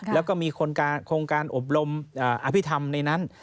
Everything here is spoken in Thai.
แล้วก็มีโครงการอบรมอภิษฐรรมในนั้น